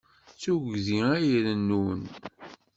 D tuggdi ay irennun.